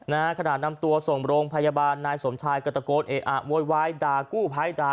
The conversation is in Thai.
ขณะนำตัวส่งโรงพยาบาลนายสมชายก็ตะโกนเอะอะโวยวายด่ากู้ภัยด่า